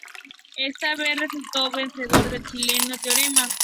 Esta vez resultando vencedor el chileno Teorema.